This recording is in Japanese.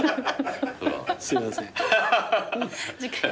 すいません。